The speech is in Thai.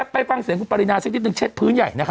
ไปฟังเสียงคุณปรินาสักนิดนึงเช็ดพื้นใหญ่